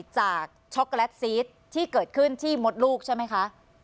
ช็อกโกแลตซีสที่เกิดขึ้นที่มดลูกใช่ไหมคะ